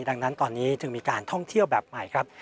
ดังนั้นตอนนี้จึงมีการท่องเที่ยวแบบใหม่ครับ